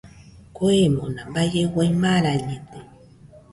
Kuemona baie uai marañede.